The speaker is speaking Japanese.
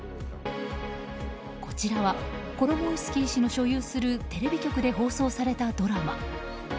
こちらはコロモイスキー氏の所有するテレビ局で放送されたドラマ。